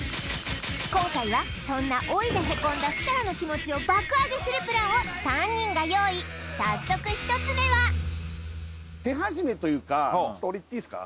今回はそんな老いでヘコんだ設楽の気持ちを爆上げするプランを３人が用意早速１つ目は手始めというかちょっと俺いっていいすか？